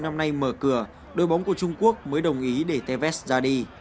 năm nay mở cửa đôi bóng của trung quốc mới đồng ý để tevez ra đi